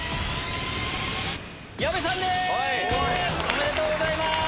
おめでとうございます！